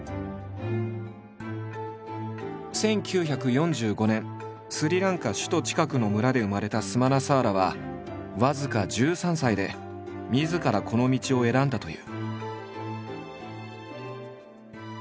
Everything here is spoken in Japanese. １９４５年スリランカ首都近くの村で生まれたスマナサーラは僅か１３歳でみずからこの道を選んだという。